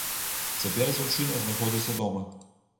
Цяпер дзяўчына знаходзіцца дома.